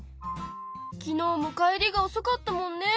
昨日も帰りがおそかったもんね。